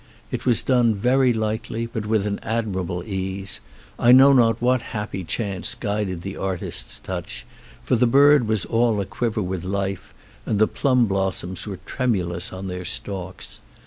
It was done very lightly, but with an admirable ease; I know not what happy chance guided the artist's touch, for the bird was all a quiver with life and the plum blossoms were tremulous on their stalks.